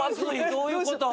どういうこと？